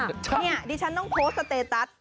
นี่ดิฉันต้องโพสต์สเตตัส